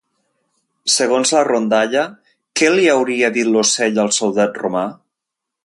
Segons la rondalla, què li hauria dit l'ocell al soldat romà?